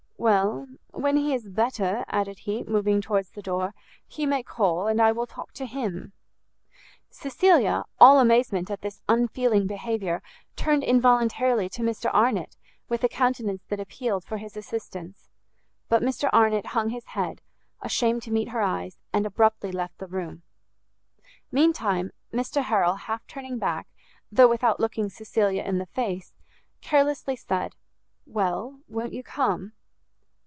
"Well, when he is better," added he, moving towards the door, "he may call, and I will talk to him." Cecilia, all amazement at this unfeeling behaviour, turned involuntarily to Mr Arnott, with a countenance that appealed for his assistance; but Mr Arnott hung his head, ashamed to meet her eyes, and abruptly left the room. Meantime Mr Harrel, half turning back, though without looking Cecilia in the face, carelessly said, "Well, won't you come?"